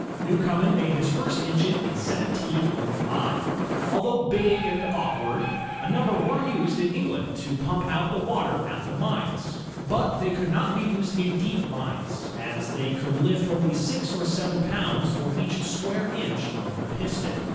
Newcomen made his first engine in 1705. Although big and awkward, a number were used in England to pump out the water at the mines. But they could not be used in deep mines, as they could lift only six or seven pounds for each square inch of the piston.